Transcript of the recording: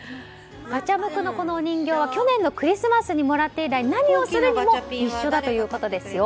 ガチャムクのお人形は去年のクリスマスにもらって以来何をするにも一緒だということですよ。